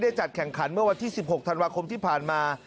จัดแข่งขันเมื่อวันที่๑๖ธันวาคมที่ผ่านมา